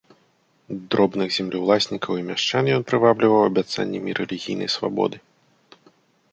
Дробных землеўласнікаў і мяшчан ён прывабліваў абяцаннямі рэлігійнай свабоды.